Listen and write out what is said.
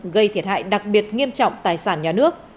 gây thiệt hại đặc biệt nghiêm trọng tài sản nhà nước